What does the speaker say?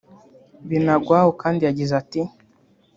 Binagwaho kandi yagize ati